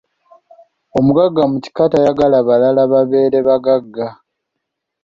Omugagga mu kika tayagala balala babeere bagagga.